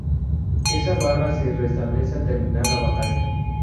Esa barra se restablece al terminar la batalla.